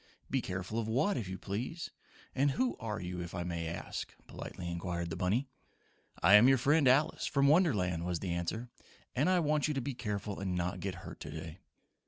"Be careful of what, if you please, and who are you, if I may ask?" politely inquired the bunny. "I am your friend Alice, from Wonderland," was the answer, "and I want you to be careful and not get hurt today."